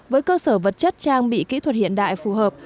với cơ sở vật chất trang bị kỹ thuật hiện đại phù hợp